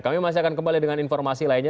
kami masih akan kembali dengan informasi lainnya